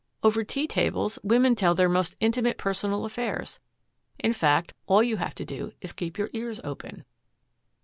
Over tea tables women tell their most intimate personal affairs. In fact, all you have to do is to keep your ears open."